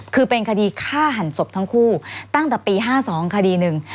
คือเป็นคดีฆ่าหันศพทั้งคู่ตั้งแต่ปี๕๒คดีหนึ่ง